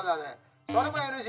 それもＮＧ。